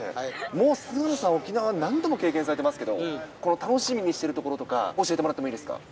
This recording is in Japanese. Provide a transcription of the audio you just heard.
もう菅野さんは沖縄、何度も経験されてますけど、楽しみにしてるところとか教えてもらってもいいですか。